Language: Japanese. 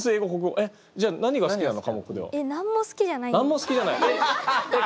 えっ何も好きじゃないです。